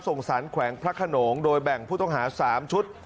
ส่งสารแขวงพระขนงโดยแบ่งผู้ต้องหา๓ชุด